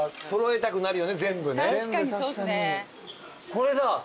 これだ。